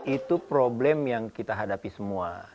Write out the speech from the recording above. itu problem yang kita hadapi semua